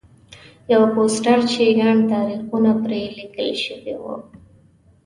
یو پوسټر چې ګڼ تاریخونه پرې لیکل شوي وو.